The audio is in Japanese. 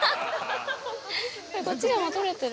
こっちでも撮れてる？